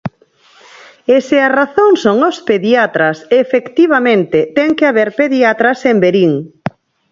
E se a razón son os pediatras, efectivamente, ten que haber pediatras en Verín.